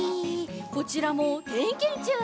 こちらもてんけんちゅうです。